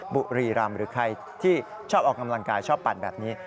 บุรีรำหรือใครที่ชอบออกกำลังกายชอบปั่นแบบนี้